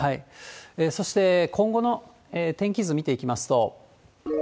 そして今後の天気図見ていきますと。